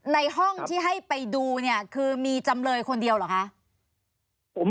ในห้องที่ให้ไปดูเนี่ยคือมีจำเลยคนเดียวเหรอคะ